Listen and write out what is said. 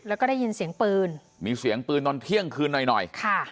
แล้วก็ได้ยินเสียงปืนมีเสียงปืนตอนเที่ยงคืนหน่อยหน่อยค่ะ